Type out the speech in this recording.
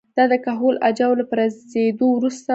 دا د کهول اجاو له پرځېدو وروسته وه